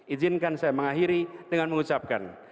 izinkan saya mengakhiri dengan mengucapkan